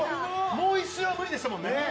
もう１周は無理でしたもんね。